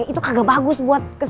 iya salam kemas reddy